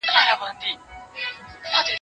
کېدای سي کارونه ستونزي ولري